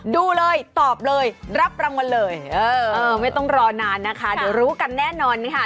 ดูเลยตอบเลยรับรางวัลเลยเออไม่ต้องรอนานนะคะเดี๋ยวรู้กันแน่นอนค่ะ